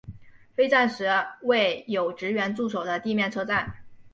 废站时为有职员驻守的地面车站。